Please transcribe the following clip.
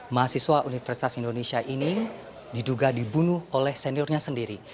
mahasiswa universitas indonesia ini diduga dibunuh oleh seniornya sendiri